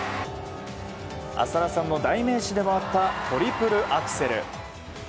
浅田さんの代名詞でもあったトリプルアクセル。